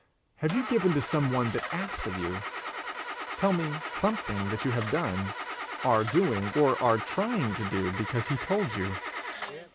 Have you given to some one that asked of you? Tell me something that you have done, are doing, or are trying to do because he told you.